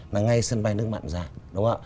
là ngay sân bay nước mặn dài đúng không ạ